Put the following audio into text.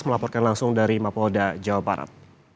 melaporkan langsung dari mapolda jawa barat